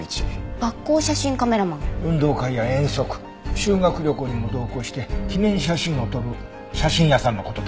運動会や遠足修学旅行にも同行して記念写真を撮る写真屋さんの事だ。